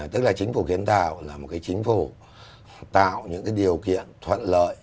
tức là chính phủ kiến tạo là một cái chính phủ tạo những điều kiện thuận lợi